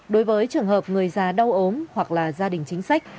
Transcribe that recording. đối với trường hợp người già đau ốm hoặc là gia đình chính sách